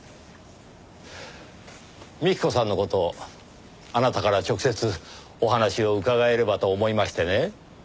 幹子さんの事あなたから直接お話を伺えればと思いましてね。